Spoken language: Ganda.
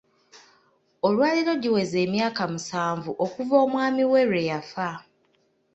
Olwaleero giweze emyaka musanvu okuva omwami we lwe yafa.